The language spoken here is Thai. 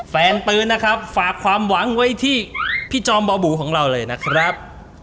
ปืนนะครับฝากความหวังไว้ที่พี่จอมบ่อบูของเราเลยนะครับ